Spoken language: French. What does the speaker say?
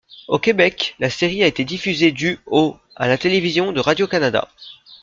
Au Québec, la série a été diffusée du au à la Télévision de Radio-Canada.